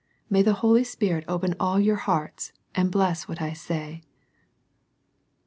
May the Holy Spirit open all your hearts, and bless what I say.